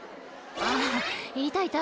ああいたいた。